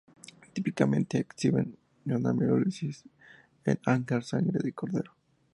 Típicamente exhiben gamma-hemolisis en agar sangre de cordero.